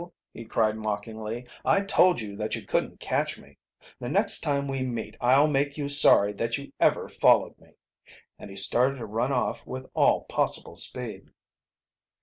he cried mockingly. "I told you that you couldn't catch me. The next time we meet I'll make you sorry that you ever followed me," and he started to run off with all possible speed.